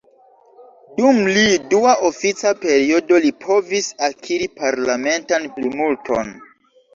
Dum li dua ofica periodo, li povis akiri parlamentan plimulton.